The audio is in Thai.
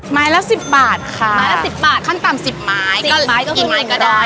ไม้ละ๑๐บาทค่ะขั้นต่ำ๑๐ไม้กี่ไม้ก็ได้